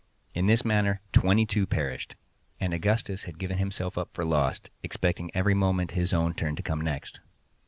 In this manner twenty two perished, and Augustus had given himself up for lost, expecting every moment his own turn to come next.